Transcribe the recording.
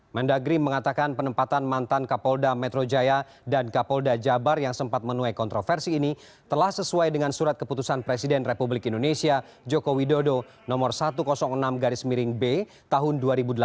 mendagri mengatakan penempatan mantan kapolda metro jaya dan kapolda jabar yang sempat menuai kontroversi ini telah sesuai dengan surat keputusan presiden republik indonesia joko widodo nomor satu ratus enam garis miring b tahun dua ribu delapan belas